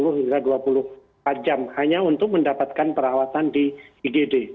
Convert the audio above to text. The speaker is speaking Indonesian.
sepuluh hingga dua puluh empat jam hanya untuk mendapatkan perawatan di igd